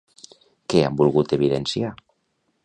Què han volgut evidenciar?